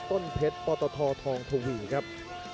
ต้นเพชรปธททวีครับ